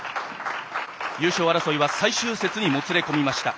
優勝争いは最終節にもつれ込みました。